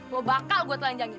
gue bakal gue telanjangin